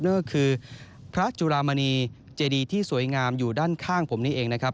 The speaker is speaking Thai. นั่นก็คือพระจุรามณีเจดีที่สวยงามอยู่ด้านข้างผมนี้เองนะครับ